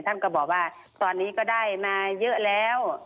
ท่านก็บอกว่าตอนนี้ก็ได้มาเยอะแล้ว